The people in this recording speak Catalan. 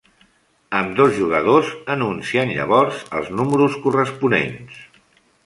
Ambdós jugadors anuncien llavors els números corresponents.